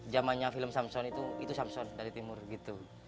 jamanya film samson itu itu samson dari timur gitu